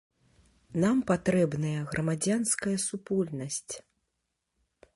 Нам патрэбная грамадзянская супольнасць.